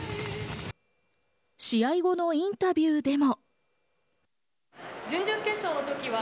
試合後のインタビューでも。